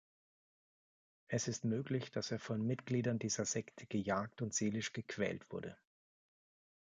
Es ist möglich, dass er von Mitgliedern dieser Sekte gejagt und seelisch gequält wurde.